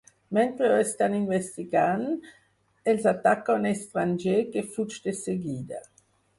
Mentre ho estan investigant, els ataca un estranger que fuig de seguida.